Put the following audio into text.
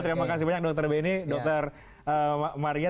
terima kasih banyak dr benny dr maria